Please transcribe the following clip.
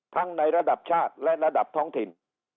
ในระดับชาติและระดับท้องถิ่น